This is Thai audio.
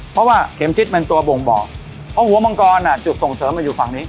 เพราะว่าเข็มทิศมันตัวบ่งบอกเพราะหัวมังกรจุดส่งเสริมมันอยู่ฝั่งนี้